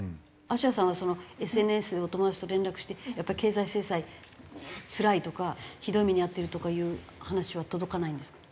あしやさんはそのＳＮＳでお友達と連絡してやっぱり経済制裁つらいとかひどい目に遭ってるとかいう話は届かないんですか？